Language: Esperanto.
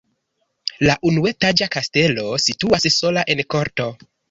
La unuetaĝa kastelo situas sola en korto.